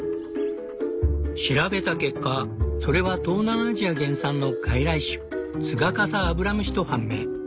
調べた結果それは東南アジア原産の外来種ツガカサアブラムシと判明。